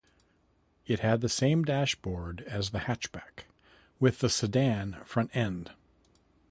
It had the same dashboard as the hatchback, with the sedan front end.